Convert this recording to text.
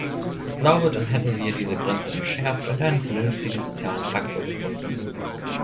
Ich glaube, dann hätten wir diese Grenze entschärft und einen vernünftigen sozialen Faktor gefunden.